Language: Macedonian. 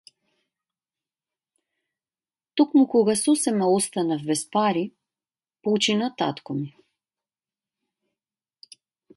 Токму кога сосема останав без пари, почина татко ми.